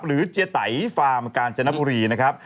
เจียไตฟาร์มกาญจนบุรีนะครับ